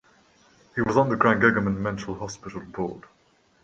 He was on the Grangegorman Mental Hospital Board.